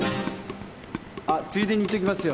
あっついでに言っときますよ。